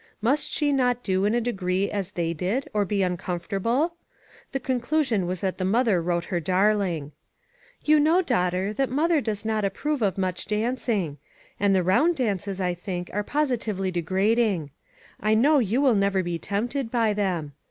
Must she not do in a degree as they did, or be uncomfortable ? The conclusion was that the mother wrote her darling: "You know, daughter, that mother does not approve of much dancing ; and the round dances, I think, are positively degrad ing. I know you will never be tempted by them.